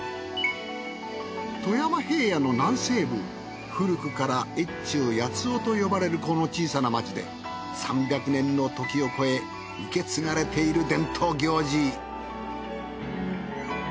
富山平野の南西部古くから越中八尾と呼ばれるこの小さな町で３００年の時を超え受け継がれている伝統行事。